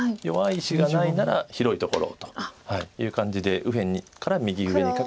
弱い石がないなら広いところをという感じで右辺から。